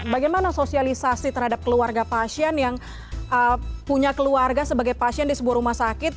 bagaimana sosialisasi terhadap keluarga pasien yang punya keluarga sebagai pasien di sebuah rumah sakit